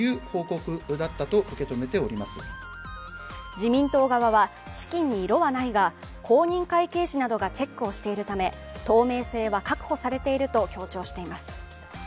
自民党側は、資金に色はないが公認会計士などがチェックをしているため透明性は確保されていると強調しています。